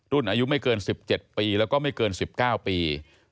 อายุไม่เกิน๑๗ปีแล้วก็ไม่เกิน๑๙ปี